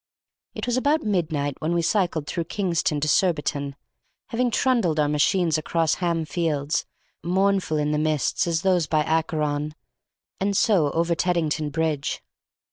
It was about midnight when we cycled through Kingston to Surbiton, having trundled our machines across Ham Fields, mournful in the mist as those by Acheron, and so over Teddington Bridge.